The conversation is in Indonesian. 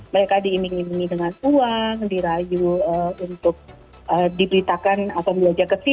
mereka diiming imingi dengan uang dirayu untuk diberitakan atau belajar ke sini